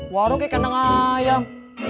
warung itu kendang ayam